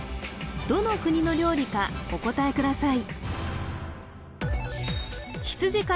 どの国の料理かお答えください